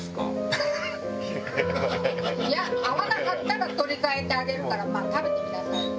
いや合わなかったら取り替えてあげるからまあ食べてみなさいよ。